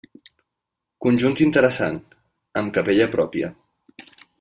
Conjunt interessant, amb capella pròpia.